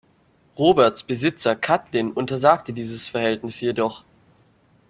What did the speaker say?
Roberts Besitzer Catlin untersagte dieses Verhältnis jedoch.